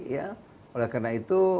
ya oleh karena itu